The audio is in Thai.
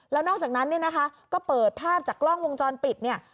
แล้วนอกจากนั้นเนี่ยนะคะก็เปิดภาพจากกล้องวงจรปิดเนี่ย